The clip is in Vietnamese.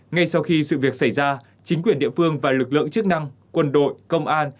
ngay sau khi sự việc xảy ra chính quyền địa phương và lực lượng chức năng quân đội công an